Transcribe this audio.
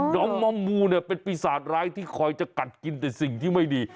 อมม่อมมูเนี่ยเป็นปีศาจร้ายที่คอยจะกัดกินแต่สิ่งที่ไม่ดี